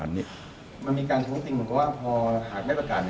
มันมีการสมมติมันก็ว่าพอหากไม่ประกัน